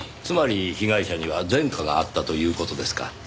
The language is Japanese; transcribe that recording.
つまり被害者には前科があったという事ですか。